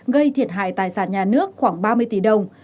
gây thiệt hại tài sản nhà nước khoảng ba mươi tỷ đồng